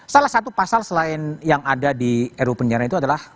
salah satu pasal selain yang ada di ru penjara itu adalah